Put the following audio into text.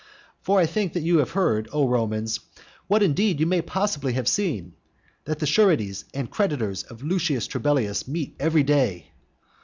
For I think that you have heard, O Romans, what indeed you may possibly have seen, that the sureties and creditors of Lucius Trebellius meet every day.